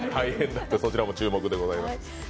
そちらも注目でございます。